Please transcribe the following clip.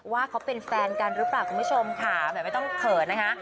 ว่าเขาเป็นแฟนกันหรือเปล่าคุณผู้ชมค่ะแบบไม่ต้องเขินนะคะ